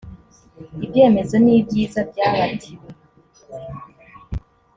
ibyemezo nibyiza byabatiwe